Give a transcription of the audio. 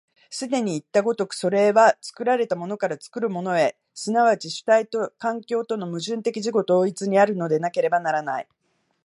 既にいった如く、それは作られたものから作るものへ、即ち主体と環境との矛盾的自己同一にあるのでなければならない。